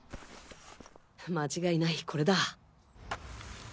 間違いないこれだ。